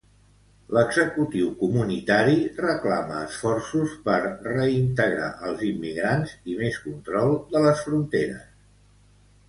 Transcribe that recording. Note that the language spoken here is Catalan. L'executiu comunitari reclama esforços per reintegrar els immigrants i més control de les fronteres.